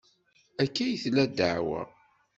Akka ay tella ddeɛwa.